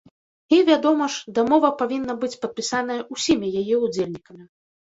І, вядома ж, дамова павінна быць падпісаная ўсімі яе ўдзельнікамі.